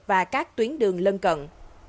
và các tuyến đường lân cận